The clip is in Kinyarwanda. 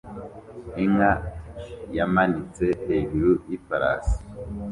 Inka yamanitse hejuru yifarasi